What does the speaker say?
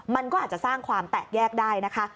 มันก็อาจจะสร้างความแตกแยกได้นะคะ